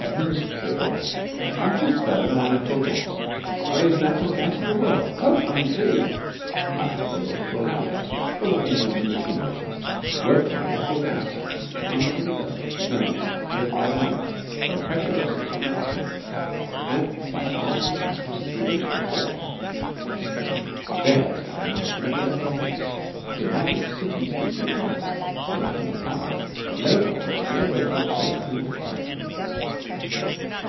'Heavens!' said one. 'Haven't you heard about our natural gas the greatest natural gas in the world? Oh, come and see!' I was whirled off to a roundhouse full of engines and machinery shops, worked by natural gas which comes out of the earth, smelling slightly of fried onions, at a pressure of six hundred pounds, and by valves and taps is reduced to four pounds. There was Luck enough to make a metropolis. Imagine a city's heating and light to say nothing of power laid on at no greater expense than that of piping!